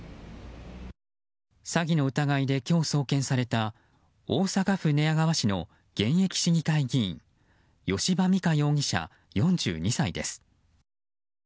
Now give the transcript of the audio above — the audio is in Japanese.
詐欺の疑いで今日、送検された大阪府寝屋川市の現役市議会議員吉羽美華容疑者、４２歳です。